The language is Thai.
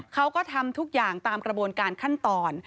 เขาก็ทำทุกอย่างตามกระบวนการขั้นตอน